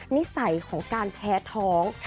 นิสัยของการแพ้ท้อง